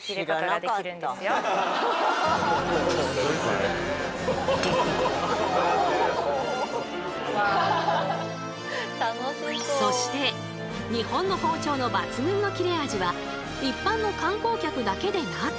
例えばそして日本の包丁の抜群の切れ味は一般の観光客だけでなく。